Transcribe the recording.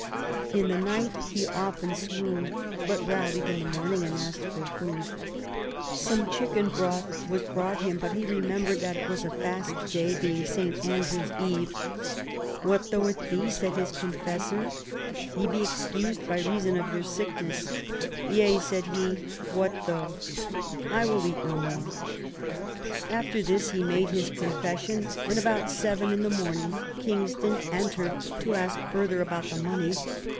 In the night he often swooned, but rallied in the morning and asked for food. Some chicken broth was brought him, but he remembered that it was a fast day, being St. Andrew's Eve. "What though it be," said his confessor, " ye be excused by reason of your sick ness." —" Yea," said he, " what though 1 I will eat no X THE FALL OF WOLSEY 205 more." After this he made his confession, and about seven in the morning Kingston entered to ask further about the money.